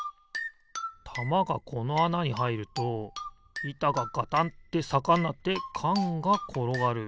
たまがこのあなにはいるといたがガタンってさかになってかんがころがる。